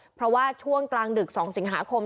เพราะว่าช่วงกลางดึก๒สิงหาคม